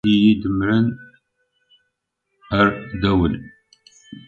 Yella win i yi-idemren ar dawel.